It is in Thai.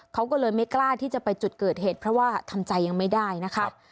เขาก็เลยไม่กล้าที่จะไปจุดเกิดเหตุเพราะว่าทำใจยังไม่ได้นะคะ